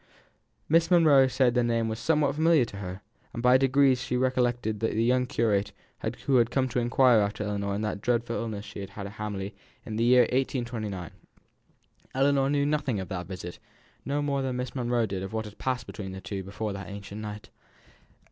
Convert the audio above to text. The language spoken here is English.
Miss Monro said that the name was somehow familiar to her, and by degrees she recollected the young curate who had come to inquire after Ellinor in that dreadful illness she had had at Hamley in the year 1829. Ellinor knew nothing of that visit; no more than Miss Monro did of what had passed between the two before that anxious night.